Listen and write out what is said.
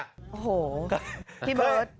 โหพี่เบิร์ด